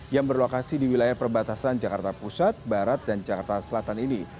yang berlokasi di wilayah perbatasan jakarta pusat barat dan jakarta selatan ini